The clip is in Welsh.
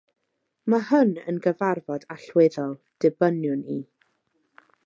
Mae hwn yn gyfarfod allweddol, dybiwn i.